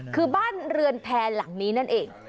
คือบ้านเรือนแพรหลังนี้นั่นเอง